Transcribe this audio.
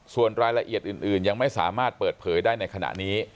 ส่วนรายละเอียดอื่นยังไม่สามารถเปิดเผยได้ในขณะนี้